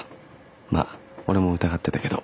まあ俺も疑ってたけど。